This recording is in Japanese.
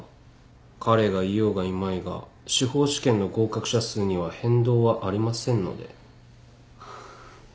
彼がいようがいまいが司法試験の合格者数には変動はありませんので。